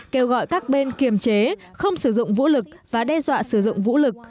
kêu gọi các bên kiềm chế không sử dụng vũ lực và đe dọa sử dụng vũ lực